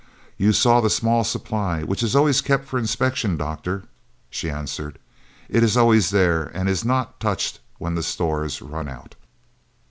"You saw the small supply which is always kept for inspection, doctor," she answered. "It is always there and is not touched when the stores run out."